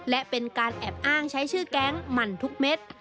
และเป็นการแอบอ้างใช้ชื่อแก๊งหมั่นทุกเม็ด